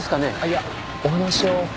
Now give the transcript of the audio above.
いやお話を。